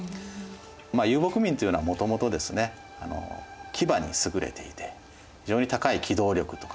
まあ遊牧民というのはもともとですね騎馬に優れていて非常に高い機動力とか戦闘力とかを。